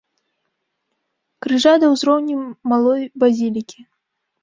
Крыжа да ўзроўню малой базілікі.